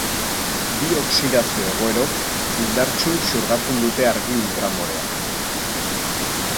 Bi oxidazio-egoerok indartsu xurgatzen dute argi ultramorea.